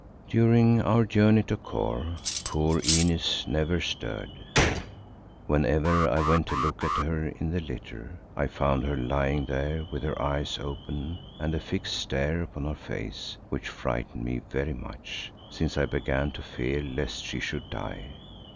During our journey to Kôr poor Inez never stirred. Whenever I went to look at her in the litter, I found her lying there with her eyes open and a fixed stare upon her face which frightened me very much, since I began to fear lest she should die.